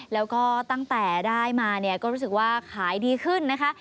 แล้วก็ตั้งแต่ได้มาเนี่ยก็รู้สึกว่าขายดีขึ้นนะคะ